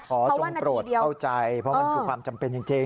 จงโปรดเข้าใจเพราะมันคือความจำเป็นจริง